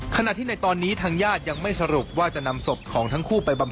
ขณะที่ในตอนนี้ทางญาติยังไม่สรุปว่าจะนำศพของทั้งคู่ไปบำ